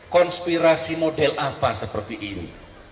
konspirasi model apa seperti ini